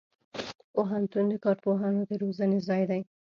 پوهنتون د کارپوهانو د روزنې ځای دی.